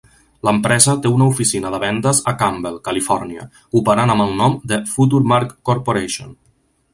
L'empresa té una oficina de vendes a Campbell (Califòrnia) operant amb el nom de Futuremark Corporation.